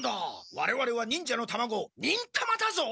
われわれは忍者のたまご忍たまだぞ。